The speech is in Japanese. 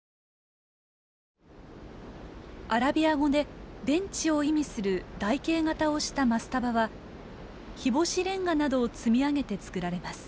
アラビア語で「ベンチ」を意味する台形型をしたマスタバは日干しレンガなどを積み上げて造られます。